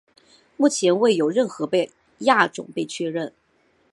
目前未有任何亚种被确认。